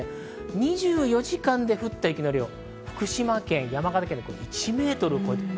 ２４時間で降った雪の量、福島県と山形県は１メートルを超えています。